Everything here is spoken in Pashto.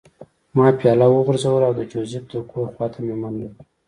ما پیاله وغورځوله او د جوزف د کور خوا ته مې منډه کړه